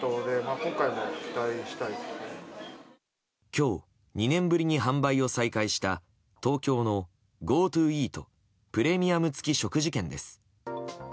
今日２年ぶりに販売を再開した東京のＧｏＴｏイートプレミアム付食事券です。